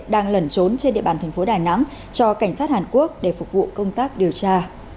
đang lẩn trốn trên địa bàn tp đài nẵng cho cảnh sát hàn quốc để phục vụ công tác điều tra